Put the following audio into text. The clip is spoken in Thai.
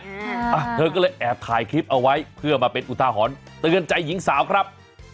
อืมอ่ะเธอก็เลยแอบถ่ายคลิปเอาไว้เพื่อมาเป็นอุทาหรณ์เตือนใจหญิงสาวครับ